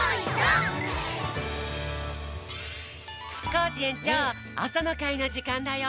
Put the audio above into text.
コージえんちょうあさのかいのじかんだよ！